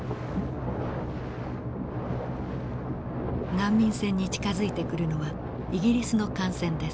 難民船に近づいてくるのはイギリスの艦船です。